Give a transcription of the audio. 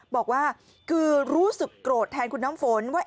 บอกว่าคือรู้สึกโกรธแทนคุณน้ำฝนว่า